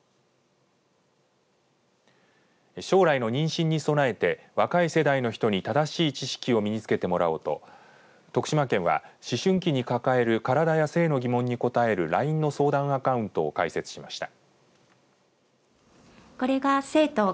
将来の妊娠に備えて若い世代の人に正しい知識を身につけてもらおうと徳島県は思春期に抱える体や性の疑問に答えるＬＩＮＥの相談アカウントを開設しました。